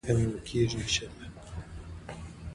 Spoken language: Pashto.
د دې ټولنې د کارموندنې برخه فعاله ده.